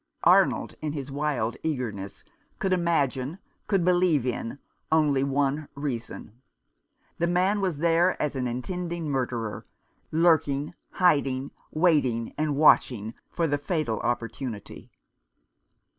Arnold, in his wild eagerness, could imagine, could believe in, only one reason. The man was there as an intending murderer, lurking, hiding, waiting, and watching for the fatal opportunity.